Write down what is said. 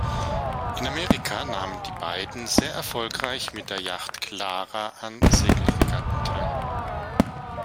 In Amerika nahmen die beiden sehr erfolgreich mit der Yacht "Clara" an Segelregatten teil.